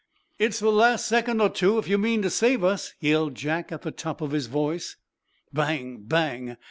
"It's the last second or two, if you mean to save us!" yelled Jack, at the top of his voice. Bang! bang!